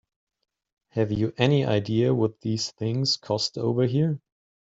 Have you any idea what these things cost over here?